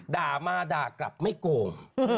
ด่ามาด่ากลับไม่โกง